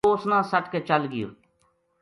وہ اس نا سَٹ کے چل گیو